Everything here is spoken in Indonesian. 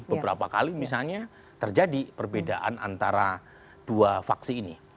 beberapa kali misalnya terjadi perbedaan antara dua faksi ini